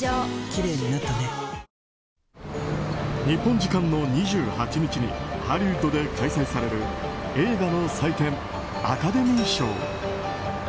日本時間の２８日にハリウッドで開催される映画の祭典、アカデミー賞。